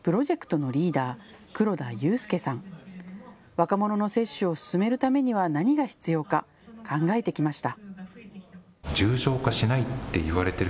若者の接種を進めるためには何が必要か考えてきました。